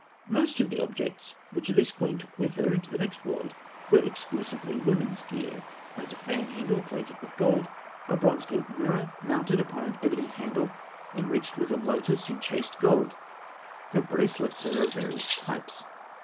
Most of the objects which this queen took with her into the next world were exclusively women's gear; as a fan handle plated with gold, a bronze gilt mirror mounted upon an ebony handle enriched with a lotus in chased gold (fig. 298). Her bracelets are of various types.